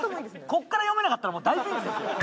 こっから読めなかったら大ピンチですよ